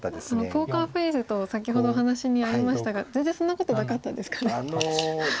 ポーカーフェースと先ほどお話にありましたが全然そんなことなかったですかね。